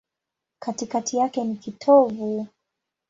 Katikati yake ni kitovu.